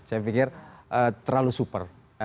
saya pikir terlalu super